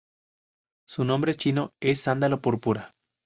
Su nombre chino es sándalo púrpura.